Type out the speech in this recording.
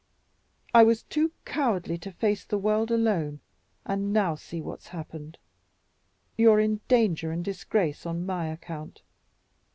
I was too cowardly to face the world alone. And now see what's happened! You're in danger and disgrace on my account.